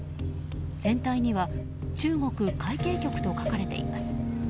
船体には中国海警局と書かれています。